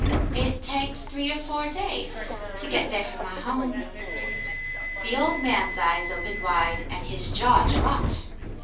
"It takes three or four days to get there from my home." The old man's eyes opened wide, and his jaw dropped.